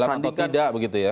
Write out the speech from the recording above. jalan atau tidak begitu ya